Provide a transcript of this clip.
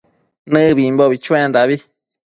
Nëbimbo chuendabi